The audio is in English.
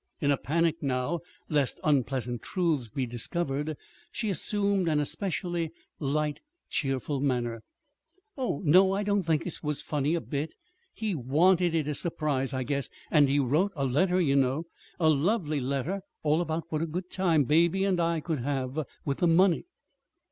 In a panic, now, lest unpleasant truths be discovered, she assumed an especially light, cheerful manner. "Oh, no, I don't think it was funny a bit. He he wanted it a surprise, I guess. And he wrote a letter, you know. A lovely letter, all about what a good time Baby and I could have with the money."